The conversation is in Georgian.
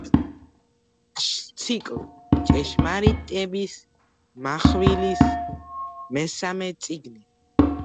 ციკლ „ჭეშმარიტების მახვილის“ მესამე წიგნი.